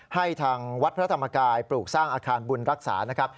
ให้ทางวัดพระธรรมกายปลูกสร้างอาคารบุญรักษานะครับ